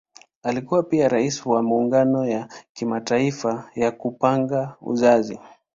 Alikuwa pia Rais wa Muungano ya Kimataifa ya Kupanga Uzazi.